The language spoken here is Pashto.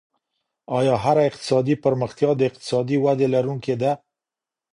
آيا هره اقتصادي پرمختيا د اقتصادي ودي لرونکې ده؟